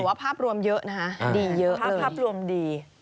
แบบพร้อมรวมเยอะดีพร้อมรวมดี